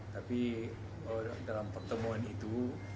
tapi dalam pertemuan itu